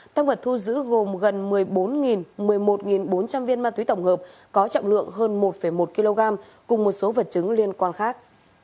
tăng vật thu giữ gồm gần một mươi bốn một mươi một bốn trăm linh viên ma túy tổng hợp có trọng lượng hơn một một kg cùng một số vật chứng liên quan khác